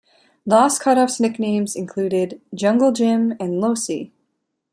Loscutoff's nicknames included "Jungle Jim" and "Loscy".